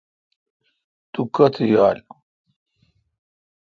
تو کوتھ یال۔